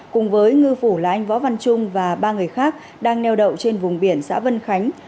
cùng với ngư phủ là anh võ văn trung và ba người khác đang neo đậu trên vùng biển xã vân khánh